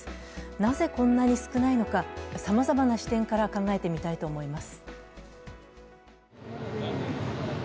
なぜこんなに少ないのか、さまざまな視点から考えてみたいと思います。